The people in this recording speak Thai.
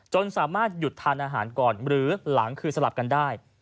สามารถหยุดทานอาหารก่อนหรือหลังคือสลับกันได้